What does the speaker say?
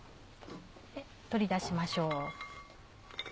取り出しましょう。